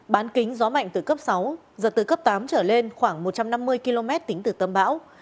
bán kính gió mạnh từ cấp sáu giật từ cấp tám trở lên khoảng một trăm năm mươi km tính từ tâm bão